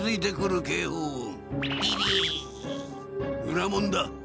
裏門だ！